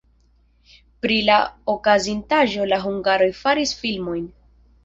Pri la okazintaĵo la hungaroj faris filmon.